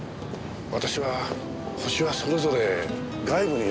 私はホシはそれぞれ外部にいると思います。